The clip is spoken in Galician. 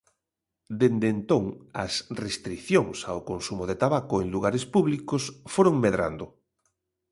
Dende entón as restricións ao consumo de tabaco en lugares públicos foron medrando.